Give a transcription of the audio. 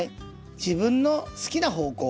自分の好きな方向